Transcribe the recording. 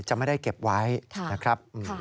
จะไม่ได้เก็บไว้นะครับ